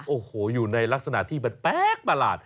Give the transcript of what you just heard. โอ้โหอยู่ในลักษณะที่มันแปลกประหลาด